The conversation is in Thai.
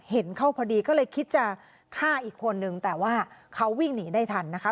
เห็นเข้าพอดีก็เลยคิดจะฆ่าอีกคนนึงแต่ว่าเขาวิ่งหนีได้ทันนะคะ